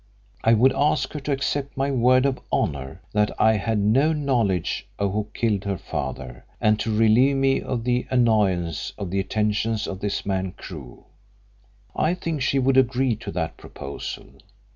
I would ask her to accept my word of honour that I had no knowledge of who killed her father, and to relieve me of the annoyance of the attentions of this man Crewe. I think she would agree to that proposal.